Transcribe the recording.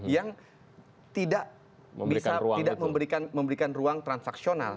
yang tidak memberikan ruang transaksional